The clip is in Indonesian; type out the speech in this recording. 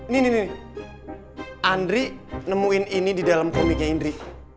ini nih andri nemuin ini di dalam komiknya indri